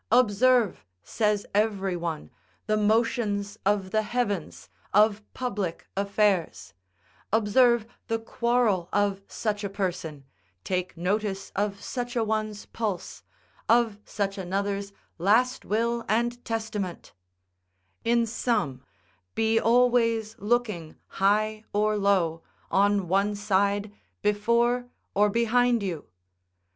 Observe, says every one, the motions of the heavens, of public affairs; observe the quarrel of such a person, take notice of such a one's pulse, of such another's last will and testament; in sum, be always looking high or low, on one side, before or behind you.